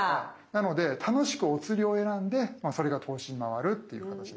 なので楽しくおつりを選んでそれが投資に回るっていう形ですね。